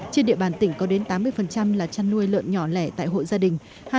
trên địa bàn tỉnh có đến tám mươi là chăn nuôi lợn nhỏ lẻ tại hộ gia đình